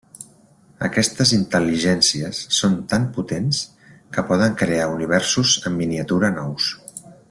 Aquestes intel·ligències són tan potents que poden crear universos en miniatura nous.